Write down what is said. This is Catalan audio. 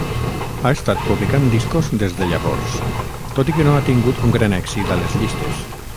Ha estat publicant discos des de llavors, tot i que no ha tingut un gran èxit a les llistes.